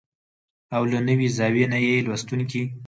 او له نوې زاويې نه يې لوستونکي